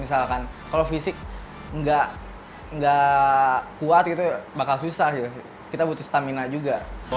misalkan kalau fisik nggak kuat gitu bakal susah kita butuh stamina juga